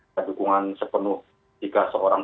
kedukungan sepenuh jika seorang